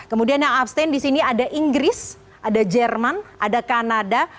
kemudian yang abstain di sini ada inggris ada jerman ada kanada